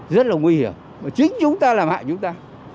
rất là nguy hiểm mà chính chúng ta làm hại chúng ta